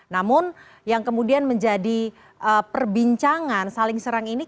namun yang kemudian menjadi perbincangan saling serang ini